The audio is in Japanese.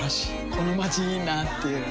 このまちいいなぁっていう